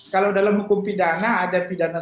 kalau dalam hukum pidana ada pidana